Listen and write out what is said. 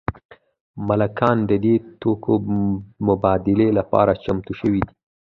مالکان د دې توکو مبادلې لپاره چمتو شوي دي